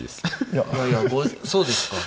いやいやそうですか。